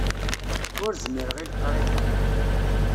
Ur zmireɣ i leqriḥ-a.